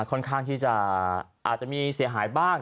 ค่อนข้างที่จะอาจจะมีเสียหายบ้าง